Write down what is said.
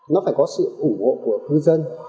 nó phải có sự ủng hộ của khu dân